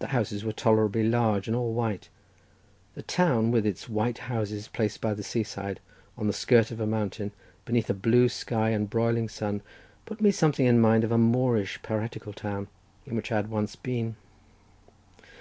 The houses were tolerably large and all white. The town, with its white houses placed by the seaside, on the skirt of a mountain, beneath a blue sky and a broiling sun, put me something in mind of a Moorish piratical town, in which I had once been.